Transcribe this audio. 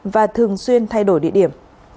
và thường xuyên thay đổi địa điểm